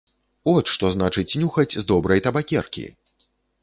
От што значыць нюхаць з добрай табакеркі!